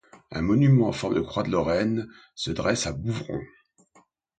Un monument en forme de croix de Lorraine se dresse à Bouvron.